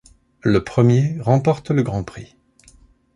Le premier remporte le grand prix.